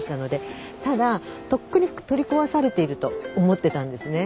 ただとっくに取り壊されていると思ってたんですね。